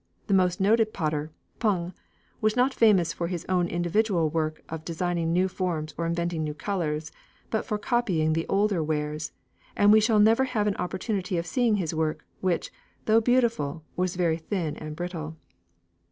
The most noted potter, Pung, was not famous for his own individual work of designing new forms or inventing new colours, but for copying the older wares, and we shall never have an opportunity of seeing his work, which, though beautiful, was very thin and brittle.